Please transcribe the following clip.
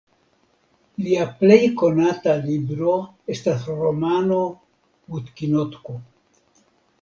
Lia plej konata libro estas romano "Putkinotko".